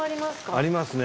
ありますね。